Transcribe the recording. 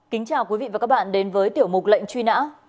kính chào quý vị và các bạn đến với tiểu mục lệnh truy nã